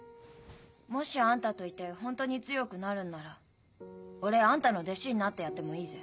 もしあんたといて本当に強くなるんなら俺あんたの弟子になってやってもいいぜ。